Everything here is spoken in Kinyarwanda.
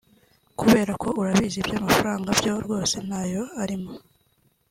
kubera ko urabizi iby’amafaranga byo rwose ntayo arimo